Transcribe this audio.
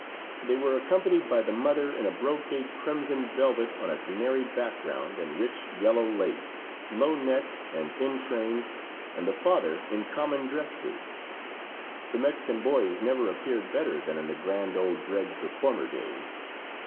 They were accompanied by the mother, in a brocade crimson velvet on a canary background and rich yellow lace, low necked and en train, and the father in common dress suit. The Mexican boys never appeared better than in the grand old dregs of former days.